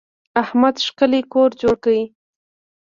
احمد ښکلی کور جوړ کړی.